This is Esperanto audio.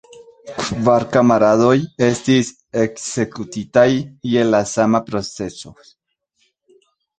Kvar kamaradoj estis ekzekutitaj je la sama procezo.